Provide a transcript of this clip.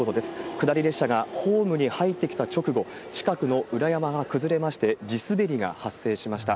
下り列車がホームに入ってきた直後、近くの裏山が崩れまして、地滑りが発生しました。